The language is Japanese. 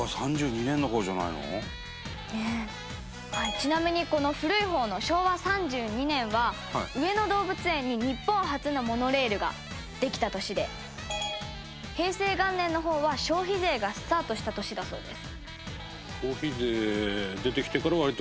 ちなみにこの古い方の昭和３２年は上野動物園に、日本初のモノレールができた年で平成元年の方は、消費税がスタートした年だそうです。